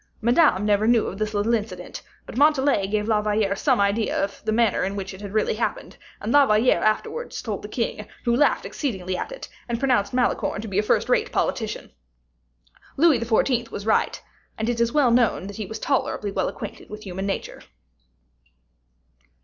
Madame never knew of this little incident, but Montalais gave La Valliere some idea of the manner in which it had really happened, and La Valliere afterwards told the king, who laughed exceedingly at it and pronounced Malicorne to be a first rate politician. Louis XIV. was right, and it is well known that he was tolerably well acquainted with human nature.